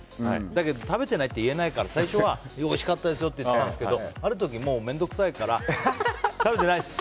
だけど食べてないって言えないから最初はおいしかったですよって言ってたんですけどある時、面倒くさいから食べてないっす。